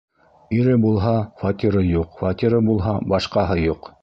Ире булһа, фатиры юҡ, фатиры булһа, башҡаһы юҡ...